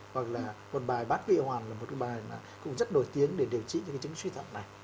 hoặc là một bài bát vy hoàng là một bài cũng rất nổi tiếng để điều trị những cái chứng suy tạo này